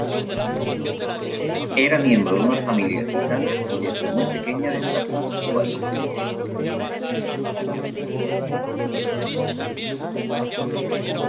Era miembro de una familia gitana y desde muy pequeña destacó por su baile.